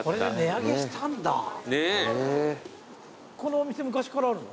このお店昔からあるの？